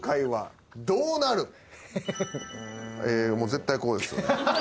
絶対こうです。